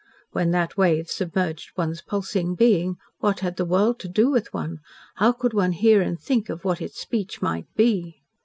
When that wave submerged one's pulsing being, what had the world to do with one how could one hear and think of what its speech might be?